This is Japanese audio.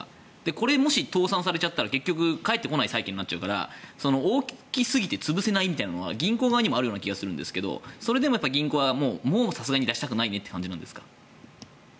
これ、もし倒産されちゃったら返ってこない債権になっちゃうから大きすぎて潰せないみたいなのは銀行側にもある気がするんですがそれでも銀行はもうさすがに出したくないねという感じなんでしょうか？